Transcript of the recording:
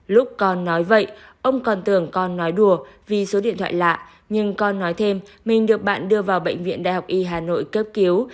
lúc con nói vậy ông còn tưởng con nói đùa vì số điện thoại lạ nhưng con nói thêm mình được bạn đưa vào bệnh viện đại học y hà nội cấp cứu